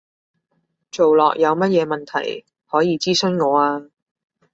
做落有乜嘢問題，可以諮詢我啊